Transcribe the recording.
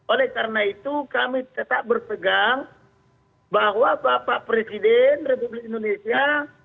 oleh karena itu kami tetap berpegang bahwa bapak presiden republik indonesia